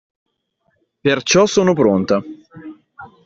Perciò sono pronta.